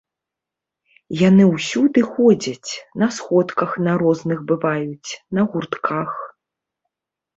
Яны ўсюды ходзяць, на сходках на розных бываюць, на гуртках.